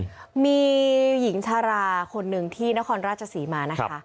อืมมีหญิงฉราคนหนึ่งที่นครราชสีมานะคะ